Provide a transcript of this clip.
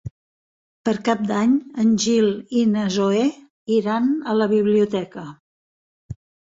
Per Cap d'Any en Gil i na Zoè iran a la biblioteca.